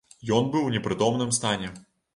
Ён быў у непрытомным стане.